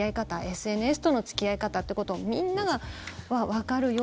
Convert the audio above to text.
ＳＮＳとの付き合い方ってことをみんながわかるような。